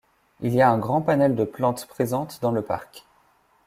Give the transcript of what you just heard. Il y a un grand panel de plantes présentes dans le parc.